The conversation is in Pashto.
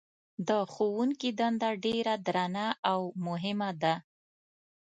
د ښوونکي دنده ډېره درنه او مهمه ده.